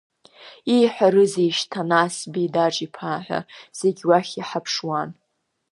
Ииҳәарызеишь Ҭанас Бидаҿ-иԥа ҳәа зегь уахь ҳаԥшуан.